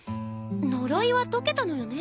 呪いは解けたのよね？